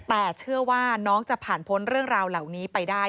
แต่เชื่อว่าน้องจะผ่านพ้นเรื่องราวเหล่านี้ไปได้